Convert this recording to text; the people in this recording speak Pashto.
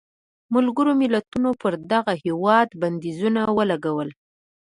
ملګرو ملتونو پر دغه هېواد بندیزونه ولګول.